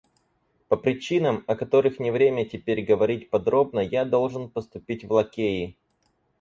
По причинам, о которых не время теперь говорить подробно, я должен поступить в лакеи.